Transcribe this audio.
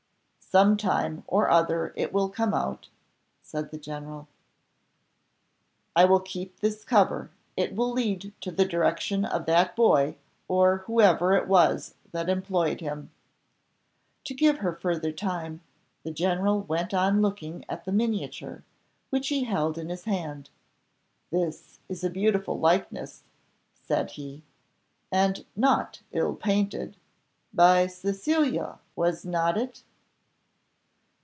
"Some time or other it will come out," said the general. "I will keep this cover, it will lead to the direction of that boy, or of whoever it was that employed him." To give her further time the general went on looking at the miniature, which he held in his hand. "This is a beautiful likeness," said he, "and not ill painted by Cecilia, was not it?"